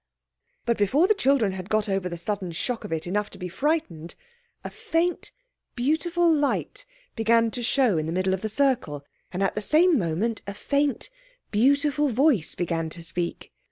But before the children had got over the sudden shock of it enough to be frightened, a faint, beautiful light began to show in the middle of the circle, and at the same moment a faint, beautiful voice began to speak.